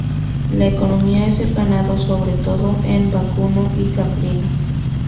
La economía es el ganado sobre todo en vacuno y caprino.